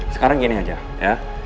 sekarang gini aja ya